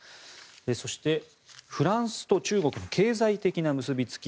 そして、フランスと中国の経済的な結びつき